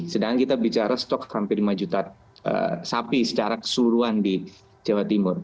sedangkan kita bicara stok hampir lima juta sapi secara keseluruhan di jawa timur